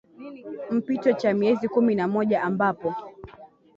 mpito cha miezi kumi na moja ambapo